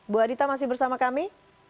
bu adita masih bersama kami